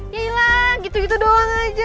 ya hilang gitu gitu doang aja